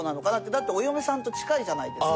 だってお嫁さんと近いじゃないですか。